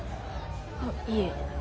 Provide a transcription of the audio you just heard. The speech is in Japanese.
あっいえ。